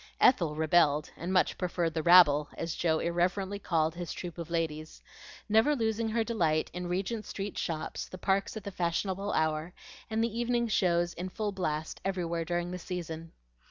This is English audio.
Ethel rebelled, and much preferred the "rabble," as Joe irreverently called his troop of ladies, never losing her delight in Regent Street shops, the parks at the fashionable hour, and the evening shows in full blast everywhere during the season.